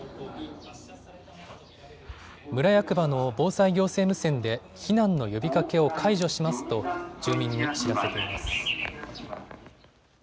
村役場の防災行政無線で避難の呼びかけを解除しますと住民に知らせています。